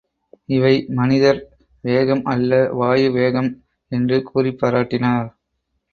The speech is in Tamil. இவை மனிதர் வேகம் அல்ல வாயு வேகம் என்று கூறிப் பாராட்டினர்.